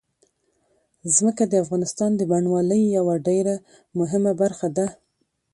ځمکه د افغانستان د بڼوالۍ یوه ډېره مهمه برخه ده.